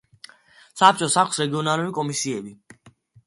საბჭოს აქვს რეგიონული კომისიები.